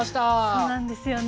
そうなんですよね。